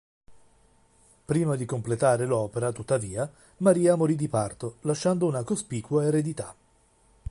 Prima di completare l'opera, tuttavia, Maria morì di parto, lasciando una cospicua eredità.